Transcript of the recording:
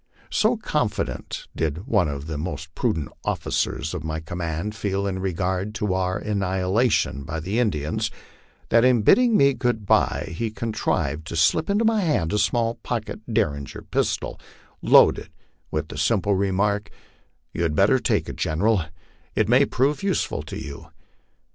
So confident did one of the most prudent officers of my command feel in regard to our annihilation by the Indians, that in bidding me good by he con trived to slip into my hand a small pocket Derringer pistol, loaded, with the simple remark, '* You had better take it, General; it may prove useful to you."